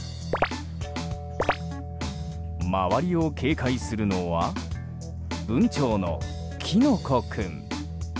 周りを警戒するのは文鳥の、きのこ君。